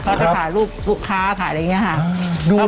เขาจะถ่ายรูปลูกค้าถ่ายอะไรอย่างนี้ค่ะ